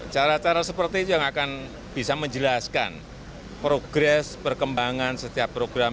cara cara seperti itu yang akan bisa menjelaskan progres perkembangan setiap program